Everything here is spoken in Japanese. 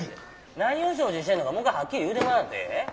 何を承知してんのかもう一回はっきり言うてもらってええ？